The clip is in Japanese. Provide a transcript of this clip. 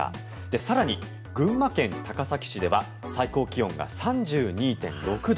更に、群馬県高崎市では最高気温が３２．６度。